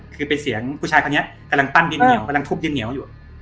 คือเป็นเสียงผู้ชายคนนี้กำลังปั้นดินเหนียวกำลังทุบดินเหนียวอยู่